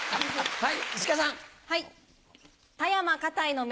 はい。